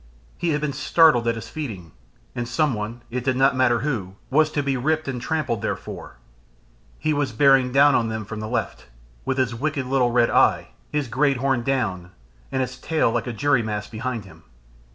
He had been startled at his feeding, and someone, it did not matter who, was to be ripped and trampled therefore. He was bearing down on them from the left, with his wicked little eye red, his great horn down and his tail like a jury mast behind him.